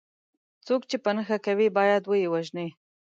څوک چې په نښه کوي باید وه یې وژني.